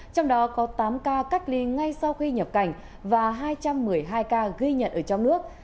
trong đó có tám ca cách ly ngay sau khi nhập cảnh và hai trăm một mươi hai ca ghi nhận ở trong nước